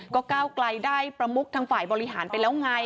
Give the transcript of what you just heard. ก็ก้าวไกลได้ประมุกทางฝ่ายบริหารไปแล้วไง